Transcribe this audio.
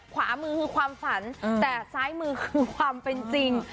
ขวามือคือความฝันแต่ซ้ายมือคือความเป็นจริง